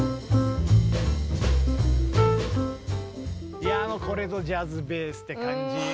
いやもうこれぞジャズベースって感じ。